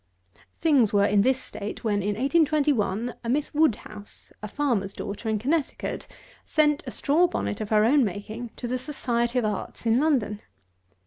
213. Things were in this state, when in 1821, a Miss WOODHOUSE, a farmer's daughter in CONNECTICUT, sent a straw bonnet of her own making to the Society of Arts in London.